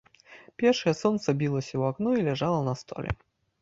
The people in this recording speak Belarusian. Першае сонца білася ў акно і ляжала на столі.